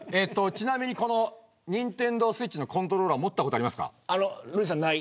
ちなみにＮｉｎｔｅｎｄｏＳｗｉｔｃｈのコントローラー持ったことありますか。